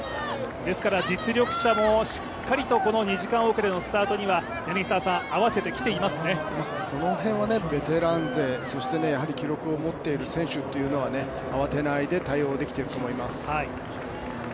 ですから実力者もしっかりと２時間遅れのスタートにはこの辺はベテラン勢そして記録を持っている選手というのは、慌てないで対応できていると思います。